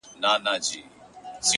چي په لاسونو كي رڼا وړي څوك ـ